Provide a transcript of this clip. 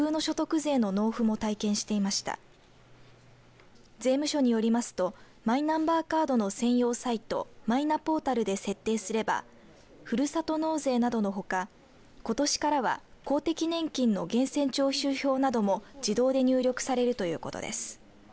税務署によりますとマイナンバーカードの専用サイトマイナポータルで設定すればふるさと納税などのほかことしからは公的年金の源泉徴収票なども自動で入力されるということです。